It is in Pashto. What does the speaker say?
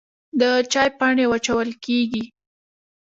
د چای پاڼې وچول کیږي